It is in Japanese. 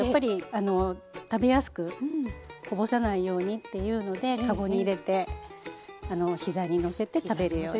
あの食べやすくこぼさないようにっていうので籠に入れて膝にのせて食べるように。